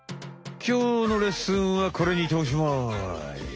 きょうのレッスンはこれにておしまい。